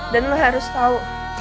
dan lo harus tau